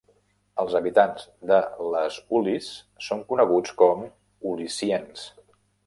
Els habitants de Les Ulis són coneguts com "ulissiens".